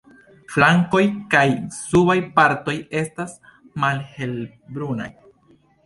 Flankoj kaj subaj partoj estas malhelbrunaj.